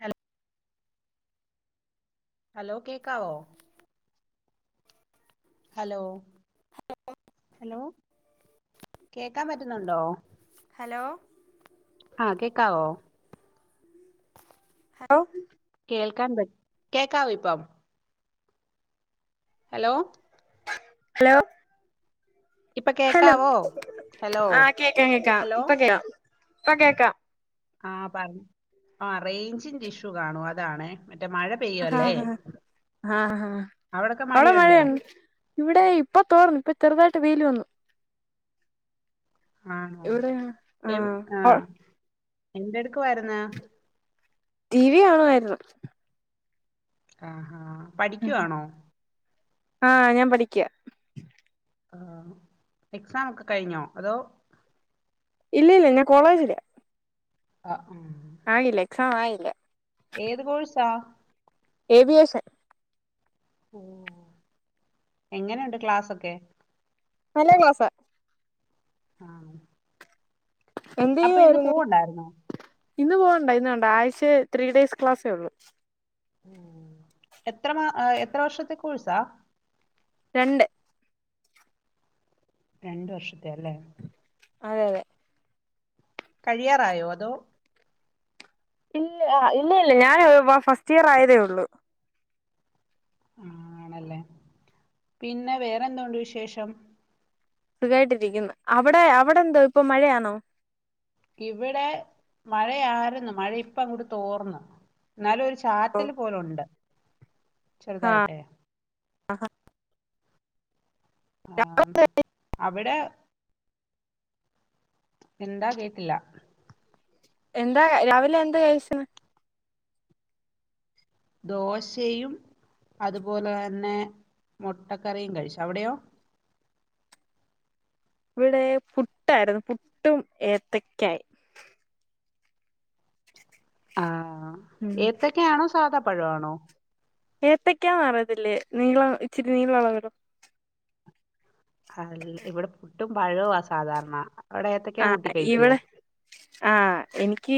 Hello- hello കേക്കാവോ hello- hello കേക്കാം പറ്റുന്നൊണ്ടോ? ഹലോ ആഹ് കേക്കാവോ- ഹലോ. കേൾക്കാൻ പറ്റ കേക്കാവോ ഇപ്പം. ഹലോ. ഹലോ. ഇപ്പൊ ഹലോ കേക്കാവോ ഹലോ ആഹ് കേക്ക കേക്കാം ഹലോ ഇപ്പ കേക്ക ഇപ്പ കേക്ക. ആഹ് പറ ആ റേഞ്ചിന്റെ ഇഷ്യൂ കാണൂ അതാണെ. ഹാ ഹഹ ഹാ ഹഹ. അവിടൊക്കെ അവിടെ മഴയുണ്ടോ മഴയാണ് ഇവിടെ ഇപ്പോ തോർന്നു ഇപ്പോ ചെറുതായിട്ട് വെയില് വന്നു. ആണോ എവ് ആഹ് എന്തെടുക്കുവാരുന്ന്? T V കാണുവായിരുന്ന്. ആഹ് ഹാ പഠിക്കുവാണോ? ആഹ് ഞാൻ പഠിക്ക. ആഹ് എക്സാം ഒക്കെ കഴിഞ്ഞോ അതോ? ഇല്ല ഇല്ല ഞാൻ കോളേജില. ആ ഉം. ആയില്ലേ എക്സാം ആയില്ലേ? ഏത് കോഴ്സാ? ഏവിയേഷൻ. എങ്ങനെയുണ്ട് ക്ലാസ് ഒക്കെ? നല്ലെ ക്ലാസ്സ ആഹ് എന്ത് അപ്പോ ഇന്ന് ചെയ്യുവായിരുന്നു പൂവണ്ടായിരുന്നോ? ഇന്ന് പോവണ്ട ഇന്ന് വേണ്ട ആഴ്ച്ച ത്രീ ഡേയ്സ് ക്ലാസ്സേ ഉള്ളു. എത്ര മാ എത്ര വർഷത്തെ കോഴ്സാ? രണ്ട്. രണ്ട് വർഷത്തെ അല്ലേ? അതെ അതെ കഴിയാറായോ അതോ ഇല്ല ഇല്ല ഇല്ല ഞാൻ ഫസ്റ്റ് ഇയർ ആയതേ ഒള്ളൂ ആണല്ലേ പിന്നെ വേറെന്തോണ്ട് വിശേഷം സുഖമായിട്ടിരിക്കുന്നു അവിടെ അവിടെ എന്തോ ഇപ്പൊ മഴയാണോ? ഇവിടെ മഴയ ആരുന്നു മഴ ഇപ്പ കൂടി തോർന്നു ഇന്നാല്ലൊരു ചാറ്റൽ പോലുണ്ട് ചെറുതായിട്ടേ ആഹാ ആഹ് അവിടെ എന്താ അറിയത്തില്ല എന്താ രാവിലെ എന്താ കഴച്ച്ന്ന് ദോശയും അതുപോലെ തന്നെ മുട്ടക്കറിയും കഴിച്ചു അവിടെയോ ഇവിടെ പുട്ടായിരുന്നു പുട്ടും ഏത്തക്കായി ആഹ് ഉം ഏത്തൊക്കൊണോ സാധാപ്പഴമാണോ ഏത്തക്കാ പറയതില്ലേ നീള ഇച്ചിരി നീളള വരോ അല്ല ഇവിടെ പുട്ടും പഴവും ആ സാധാരണ അവിടെ ഏത്തക്കാ ആ കൂട്ടി കഴിക്കുവോ ഇവിടെ ആഹ് എനിക്ക്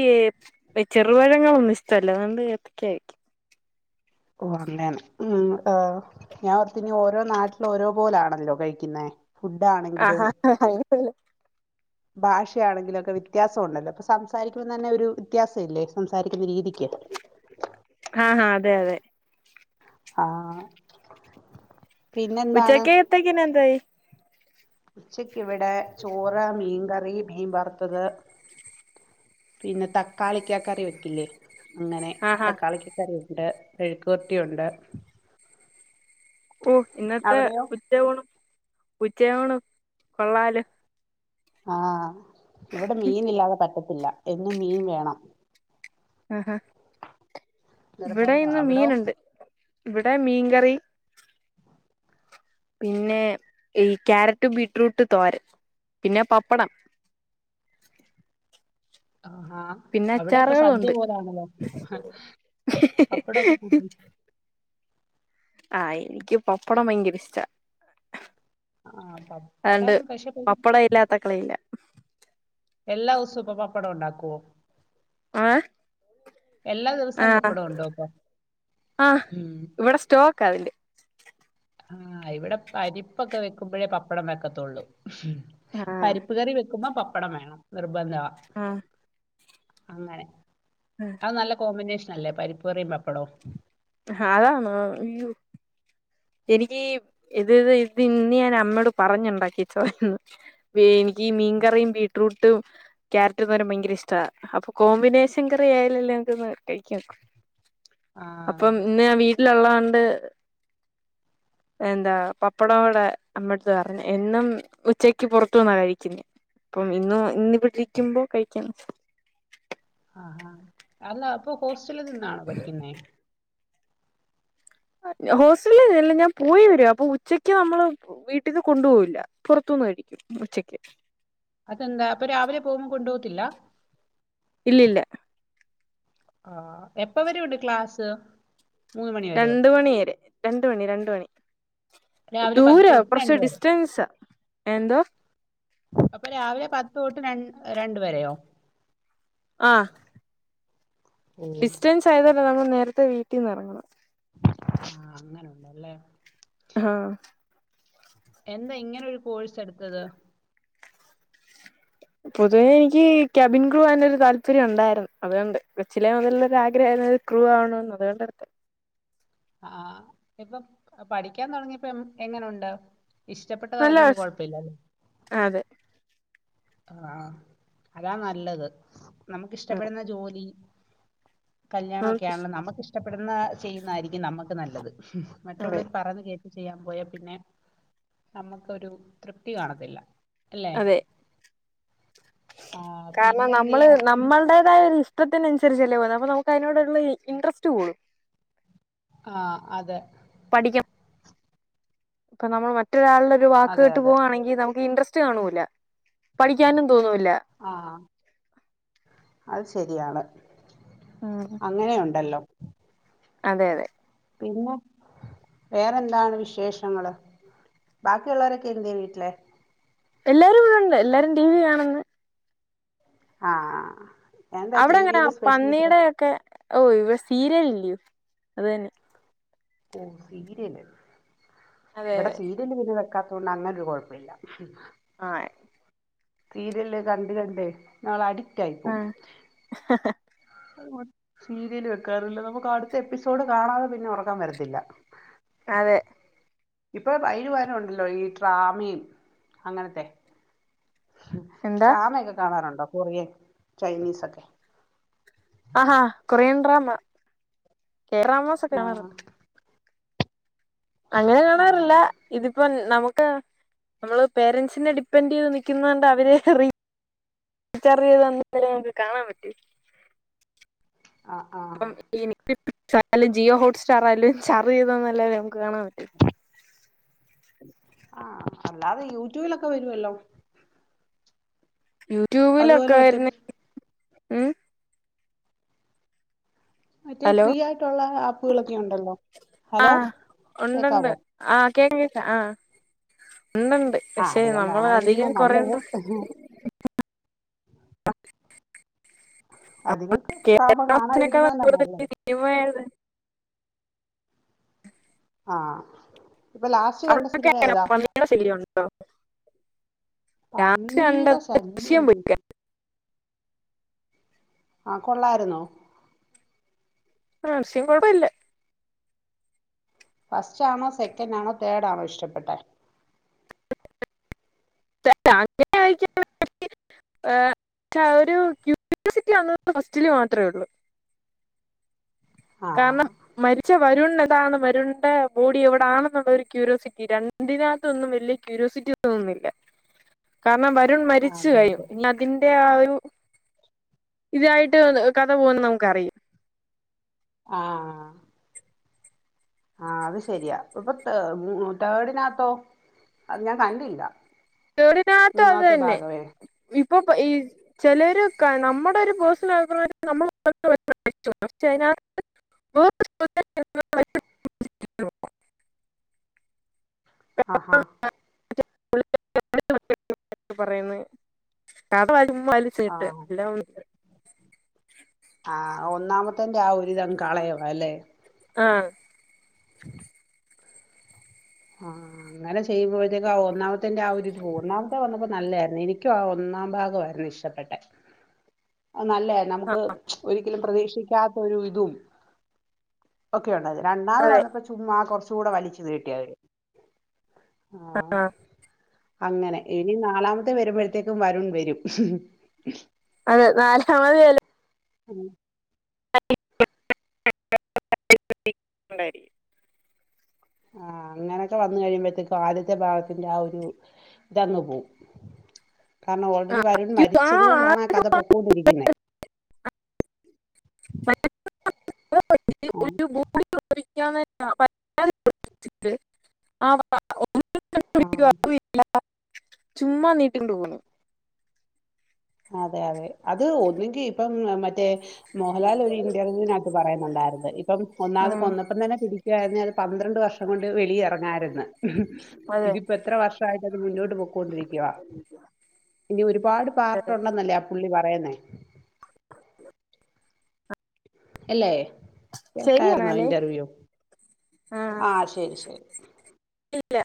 ചെറുപഴങ്ങളെ ഇഷ്ടമല്ല അത് കെണ്ട് എത്തക്കാ കയിക്കും ഓ അങ്ങേന ഉം ഞാൻ ഓർത്ത്നി ഓരോ നാട്ടില ഓരോ പോലാണല്ലോ കഴിക്കുന്നേ ഫുഡ് ആണെങ്കിലും ആഹാ അങ്ങനെയല്ലേ ഭാഷയാണെങ്കിലും ഒക്കെ വ്യത്യാസം ഉണ്ടല്ലോ ഇപ്പൊ സംസാരിക്കുമ്പോൾ തന്നെ ഒരു വ്യത്യാസം ഇല്ലേ സംസാരിക്കുന്ന രീതി ആഹ് ആ അതെ അതെ ആഹ് പിന്നെന്താണ് ഉച്ചക്കെത്തിക്കിനെന്തായി ഉച്ചക്ക് ഇവടെ ചോറ് മീൻങ്ക കറി മീൻ വറുത്തത് പിന്നെ തക്കാളിക്ക കറിവെക്കില്ലേ അങ്ങനെ ആഹാ തക്കാളിക്ക കറിയൊണ്ട് വെഴുക്ക് വരട്ടിയൊണ്ട് ഓഹ് ഇന്നത്തെ ഉച്ച ഊണ് ഉച്ചയൂണ് കൊള്ളാലോ ആഹ് ഇവടെ മീൻ ഇല്ലാതെ പറ്റത്തില്ല എന്നും മീൻ വേണം ആഹ് ഹാ ഇവടെ നിർബന്ധ ഇന്ന് അവിടോ മീനുണ്ട് ഇവടെ മീൻങ്കറി പിന്നെ ഈ ക്യാരറ്റ് ബീറ്റ്റൂട്ട് തോരൻ പിന്നെ പപ്പടം ആഹാ പിന്നെ അവടെപ്പോ സദ്യ അച്ചാറുകളുണ്ട് പോലാണല്ലോ പപ്പടൊക്കെ കൂട്ടി ആഹ് എനിക്ക് പപ്പടം ഭയങ്കര ഇഷ്ടാ ആഹ് അതണ്ട് പപ്പടം പക്ഷെ പപ്പട ഇല്ലാത്ത കളിയില്ല. എല്ലാം ദിവസോം ഇപ്പ പപ്പടം ഒണ്ടാക്കുവോ ആഹ് ദിവസവും ആഹ് പപ്പടം ഉണ്ടോ ഇപ്പൊ ആഹ് ഉം ഇവടെ സ്റ്റോക്ക് അതിന്റെ ആഹ് ഇവടെ പരിപ്പൊക്കെ വെക്കുമ്പോഴേ പപ്പടം വെക്കത്തോള്ളൂ ആഹ് പരിപ്പ്ക്കറി വെക്കുമ്പോ പപ്പടം വേണം നിർബന്ധവാ ആഹ് അങ്ങനെ അത് നല്ല കോമ്പിനേഷനല്ലേ പരിപ്പുകറിയും പപ്പടോം അതാണോ ഉയ്യോ എനിക്ക് ഇത് ഇത് ഇന്ന് ഞാൻ അമ്മയോട് പറഞ്ഞുണ്ടാക്കിച്ചതാ ഇന്ന് എനി ഈ മീൻങ്കറിയും ബീട്രൂട്ടും ക്യാരറ്റ് തോരൻ ഭയങ്കര ഇഷ്ടാവാ അപ്പോ കോമ്പിനേഷൻ കറി ആയാലല്ലേ [inaudible] അപ്പം ആഹ് ഇന്ന് വീട്ടിലോള്ളോണ്ട് എന്താ പപ്പടം അവടെ അമ്മടുത്ത് പറഞ്ഞു എന്നും ഉച്ചക്ക് പൊറത്തുന്നാ കഴിക്കുന്നെ അപ്പം ഇന്ന് ഇന്നിവിടിരിക്കുമ്പോ കഴിക്കണം - ആഹാ അല്ല അപ്പൊ ഹോസ്റ്റലിൽ നിന്നാണോ പഠിക്കുന്നേ? ഹോസ്റ്റലിലല്ല ഞാൻ പോയി വരിക അപ്പൊ ഉച്ചക്ക് നമ്മള് വീട്ടീന്ന് കൊണ്ടുപോകില്ല പൊറത്തുന്ന്- കഴിക്കും ഉച്ചക്ക്- ഇല്ലാ- ഇല്ലി ല്ല- ആഹ് എപ്പവരെ ഉണ്ട് ക്ലാസ്- മൂന്ന് മണി വരെയോ രണ്ട് മണിരെ രണ്ട് മണി രണ്ട് മണി- രാവിലെ പത്ത് ദൂരവാ തൊട്ട് കൊറച്ച് രണ്ട് വരെ ഡിസ്റ്റൻസാ എന്തോ - അപ്പ് രാവിലെ പത്ത് തൊട്ട് രൺ രണ്ട് വരെയോ? ആഹ് - ഓ ഡിസ്റ്റൻസ് ആയതുകൊണ്ട് നമ്മൾ നേരത്തെ വീട്ടിന്നെറങ്ങണം- ആഹ് അങ്ങനുണ്ടല്ലേ? ആഹ് - എന്താ ഇങ്ങനെ ഒരു കോഴ്സ് എട്ത്തത്- പൊതുവെ എനിക്ക് ക്യാബിൻ ക്രൂ ആകാനൊരു താല്പര്യം ഉണ്ടായിരുന്നു അതുകൊണ്ട് കൊച്ചിലെ മുതലുള്ളൊരു ആഗ്രഹയിര് ന്ന് ക്രുൂ ആവണോന്ന് അതുകൊണ്ടാ എടുത്തേ- ആഹ് ഇപ്പൊ പഠിക്കാൻ തൊടങ്ങിയപ്പം എങ്ങനോണ്ട്- നല്ല ഇഷ്ടപ്പെട്ടതായത്കൊണ്ട് കൊഴപ്പല്ലില്ലേ- അതെ ആഹ് അതാ നല്ലത് നമുക്കിഷ്ടപ്പെടുന്ന ജോലി- കല്യാണമൊക്കെയാണല്ലോ നമുക്ക് ഇഷ്ടപ്പെടുന്ന ചെയ്യുന്നതായിരിക്കും നമുക്ക് നല്ലത് അതെ മറ്റുള്ളവർ പറയുന്ന കേട്ട്- ചെയ്യാൻ പോയാ പിന്നെ നമ്മുക്കൊരു തൃപ്തി കാണത്തില്ല- അല്ലേ - അതെ കാരണം നമ്മള് നമ്മളടേതായ ഒരു ഇഷ്ടത്തിനനുസരിച്ചല്ലേ ഓരൊ- അപ്പൊ നമുക്ക് അതിനോടുള്ള ഇൻട്രസ്റ്റ് കൂടും- ആഹ് അതെ പഠിക്കും ഇപ്പം നമ്മൾ മറ്റൊരാളുടെ ഒരു വാക്ക് അതെ കേട്ട് അതെ പോകവാണെങ്കി നമുക്ക് ഇൻട്രസ്റ്റ് സ്റ്റ് കാണൂല്ല പഠിക്കാനും തോന്നുല്ല ആ അത് ശരിയാണ് അങ്ങനെയുണ്ടല്ലോ അതെ അതെ പിന്നെ വേറെന്താണ് വിശേഷങ്ങള് ബാക്കിയള്ളവരൊക്കെ എന്തേ വീട്ടിലെ എല്ലാരും ഇവിടെണ്ട് എല്ലാരും ടി വി കാണ്ന്ന് ആഹ് ആഹ് അവിടെ അങ്ങനെ പന്നിയുടെ ഒക്കെ ഓ ഇവിടെ സീരിയൽ ഇല്ലയോ അത് തന്നെ ഓ സീരിയല് അതെ ഇവിടെ അതെ സീരിയല് പിന്നെ കാക്കാത്തൊണ്ട് അങ്ങന ഒരു കുഴപ്പമില്ല ആഹ് സീരിയല് കണ്ട് കണ്ടേ ഇങ്ങള് അടിക്ട് ആഹ് സീരിയല് വെക്കാറില്ല നമുക്ക് അടുത്ത എപ്പിസോഡ് കാണാതെ പിന്നെ ഉറക്കം വരത്തില്ല അതെ ഇപ്പം അയിന് പകരമുണ്ടല്ലോ ഈ ട്രാമേം അങ്ങനത്തെ എന്താ ട്രാമയൊക്കെ കാണാറുണ്ടോ കൊറിയൻ ചൈനീസോക്കെ ആഹാ കൊറിയൻ ഡ്രാമ കേറിയൻ ഡ്രാമസൊക്കെ ആഹ് കാണാറുണ്ട് അങ്ങനെ കാണാറില്ല ആഹ് ഇതിപ്പം നമുക്ക് നമ്മള് പേരൻറ്സിനെ ഡിപ്പെെൻഡറ് ചെയ്ത് നിക്കുന്നോണ്ട് അവരെ റി റീച്ചാർജ് ചെയ്ത് [unintelligible] കാണാൻ പറ്റി ആഹ് അപ്പം ആഹ് ഇനി [unintelligible] ജിയോ ഹോട്സ്റ്റർ ആയാലും ചാർജ് ചെയ്തന്നല്ലല്ലെ നമുക്ക് കാണാൻ പറ്റു ആഹ് അല്ലാതെ യൂട്യൂബിലൊക്കെ വരുവല്ലോ യൂട്യൂബിലൊക്കെ അതുപോലെ മറ്റേ ആര്ന്ന് ഉം മറ്റേ ഹലോ ഫ്രീ ആയിട്ടുള്ള ആപ്പുകളൊക്കെ ഉണ്ടല്ലോ ഹലോ കേക്കാവോ കേക്കാ ആഹ് ഉണ്ട്ണ്ട് ആഹ് പക്ഷേ അധികം നമ്മൾ കാണാതിരിക്കുന്ന അധികം കൊറ നല്ലത് ഉണ്ടോ [unintelligible] നമ്മുടെ അധികം ട്രാമ കേരളത്തിനെകൾ കാണാതിരിക്കുന്നതന്നാ കൂടുതൽ നല്ലത് കിട്ടിപോയത് ആഹ് ഇപ്പൊ ലാസ്റ്റ് കണ്ട അവിടൊക്കെ സിനിമ അങ്ങനെ ഏതാ പന്നിയുടെ ശല്യം ഉണ്ടോ ലാസ്റ്റ് പന്നീടെ കണ്ടത് ശല്യം ദൃശ്യം വി [unintelligible] ആഹ് കൊള്ളാരുന്നോ ആഹ് ദൃശ്യം കുഴപ്പ ഇല്ല ഫസ്റ്റ്ണോ സെക്കൻറ്റാണോ തേഡാണോ ഇഷ്ടപ്പെട്ടെ തെടാ അങ്ങന [unintelligible] മാറ്റ് ഏഹ് റ്റാഒരു ക്യൂരിയോസിറ്റി ആന്നത് ഫസ്റ്റില് മാത്രേ ഉള്ളൂ ആഹ് കാരണം മരിച്ച വരുൺ എതാണ് വരുൺ ടെ ബോഡി എവിടണെന്നുള്ള ഒരു ക്യൂരിയോസിറ്റി രണ്ടിനകത്ത്ന്നും വലിയ ക്യൂരിസിറ്റിഒന്നുഇല്ല കാരണം വരുൺ മരിച്ചു അതെ കഴിഞ്ഞു അതെ പിന്നാതിന്റെ ആഹ് ഒരു ഇതായിട്ട് ഏഹ് കഥ പോന്ന് നമുക്ക്റിയാം ആഹ് ആഹ് അത് ശരിയാ ഇപ്പൊ തേ മു മു തേഡിനത്തോ അത് ഞാൻ കണ്ടില്ല മൂന്നാമത്തെ ഭാഗവേ ഇപ്പൊപ്പ് ഈ ചിലര് കാ നമ്മുടെ ഒരു പേഴ്സൺ ആഭിപ്രായത്തിൽ നമ്മൾ [unintelligible] ഫസ്റ്റ് അതിന്നത് വേറൊരു [unintelligible] ആ ഹാ [inaudible] പറയുന്നേ [unintelligible] [unintelligible] ചീട്ട് ആഹ് എല്ലാം [unintelligible] ആഹ് ഒന്നാമത്തെൻ്റെ ആ ഒരുരിതം കളയ അല്ലെ ആ ആഹ് അങ്ങനെ ചെയ്യുമ്പോഴത്തേക്ക് ഒന്നാമത്തെന്റെ ആ ഒരുരി പോ ഒന്നാമത്തെ വന്നപ്പോ നല്ലായിരുന്നു എനിക്കും ആ ഒന്നാം ഭാഗയിരുന്നു ഇഷ്ടപ്പെട്ടെ നല്ല നമുക്ക് ഒരിക്കലും പ്രതീക്ഷിക്കാത്ത ഒരു ഇതും [unintelligible] രണ്ടാത് അതെ വന്നപ്പോ ചുമ്മാ കുറച്ച കൂടെ വലിച്ചു കീട്ടിയാര് ആഹ് ആ അങ്ങനെ ഇനി നാലാമത്തെ വരുമ്പോഴത്തേക്കും വരുൺ വരും അതെ നാലാമത് ചിലപ്പോ ഉം [inaudible] ആഹ് അങ്ങനൊക്കെ വന്ന കഴിയുമ്പോഴത്തേക്കും ആദ്യത്തെ ഭാഗത്തിന്റെ ആ ഒരു ഇതങ്ങ് പോവും കാരണം ഓൾറെഡി വരുൺ ഉണ്ടായിരിക്കും ആ മരിച്ചത് കൊണ്ടാണ് ആ കഥ പോ [unintelligible] [inaudible] [unintelligible] ആം [unintelligible] ചുമ്മാ നീട്ടിണ്ട് പോന്നു അതെ അതെ അത് ഒന്നെങ്കിൽ ഇപ്പം മറ്റേ മോഹൻലാൽ ഒരു ഇൻ്റർവ്യൂ നത്തു പറയുന്നുണ്ടായിരുന്നു ഇപ്പം ഒന്നാമത് കൊന്നപ്പം തന്നെ പിടിക്കുകായിന്ന അത് പന്ത്ര ന്ത്രണ്ട് വർഷം കൊണ്ട് വെളി ഇറങ്ങാായിരുന്നു അതെ ഇതിപ്പോ എത്ര വർഷയിട്ട് അത് മുന്നോട്ട് പോകോണ്ടിരിക്കുവ [inaudible] ഇനി ഒരുപാട് പാർട്ടുണ്ടെന്നല്ലേ ആ പുള്ളി പറയുന്നേ അല്ലേ കേട്ടായിരുന്നോ ശരിയാണല്ലേ ഇന്റർവ്യൂ ആഹ് ശരി ശരി ഇല്ല